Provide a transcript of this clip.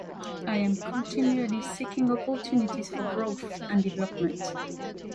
I am continually seeking opportunities for growth and development.